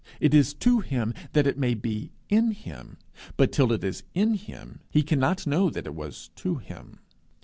It is to him that it may be in him; but till it is in him he cannot know that it was to him.